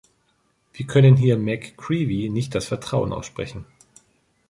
Wir können hier McCreevy nicht das Vertrauen aussprechen!